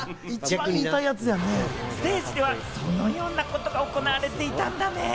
ステージではそのようなことが行われていたんだね。